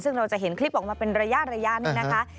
ซึ่งเราจะเห็นคลิปออกมาเป็นระยะนี่นะคะ